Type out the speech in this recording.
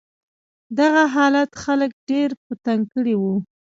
دغه حالت خلک ډېر په تنګ کړي و.